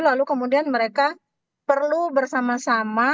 lalu kemudian mereka perlu bersama sama